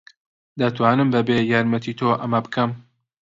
دەتوانم بەبێ یارمەتیی تۆ ئەمە بکەم.